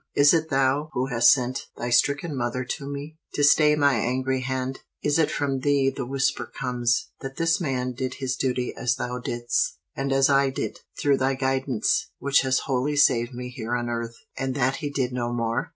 Is it thou who hast sent thy stricken mother to me, to stay my angry hand? Is it from thee the whisper comes, that this man did his duty as thou didst, and as I did, through thy guidance, which has wholly saved me here on earth, and that he did no more?"